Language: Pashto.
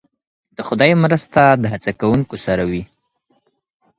د خدای مرسته د هڅه کوونکو سره وي.